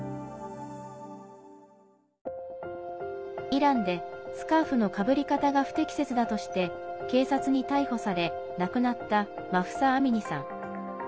イランでスカーフのかぶり方が不適切だとして警察に逮捕され、亡くなったマフサ・アミニさん。